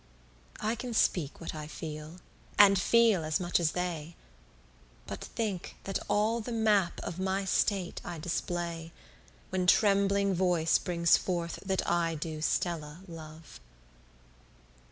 I can speak what I feel, and feel as much as they, But think that all the map of my state I display, When trembling voice brings forth that I do Stella love.